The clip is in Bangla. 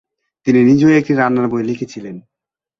তিনি নিজেও একটি রান্নার বই লিখেছিলেন।